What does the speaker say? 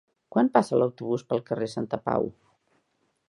Quan passa l'autobús pel carrer Santapau?